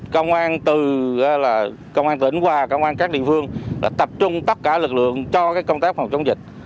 công an từ công an tỉnh và công an các địa phương đã tập trung tất cả lực lượng cho công tác phòng chống dịch